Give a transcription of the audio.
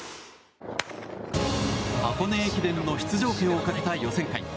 箱根駅伝の出場権をかけた予選会。